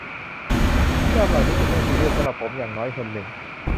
นิยามเหล่านี้เป็นเรื่องซีเรียส สำหรับผมอย่างน้อยคนหนึ่ง